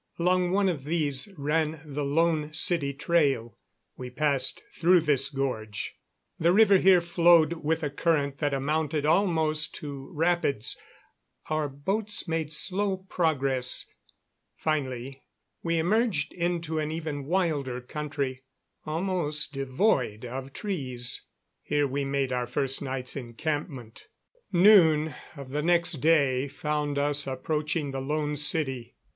Along one of these ran the Lone City trail. We passed through this gorge. The river here flowed with a current that amounted almost to rapids. Our boats made slow progress. Finally we emerged into an even wilder country, almost devoid of trees. Here we made our first night's encampment. Noon of the next day found us approaching the Lone City.